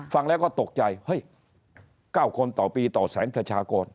ฟังแล้วก็ตกใจเฮ้ย๙คนต่อปีต่อแสนประชากร